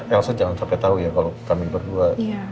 elsa jangan sampai tahu ya kalau kami berdua